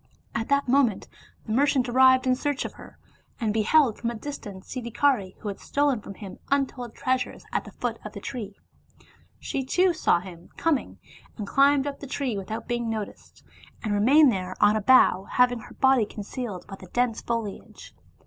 At that moment the merchant arrived in search of her, and beheld from a distance Siddhikari, who had stolen from him untold treasures, at the foot of the tree. She, too, saw him coming, and climbed up the tree without being noticed, and remained there on a bough, having her body concealed by the dense foliage.